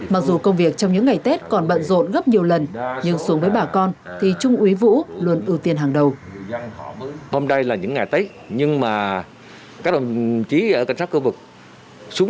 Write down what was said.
mặc dù công việc trong những ngày tết còn bận rộn gấp nhiều lần nhưng xuống với bà con thì trung úy vũ luôn ưu tiên hàng đầu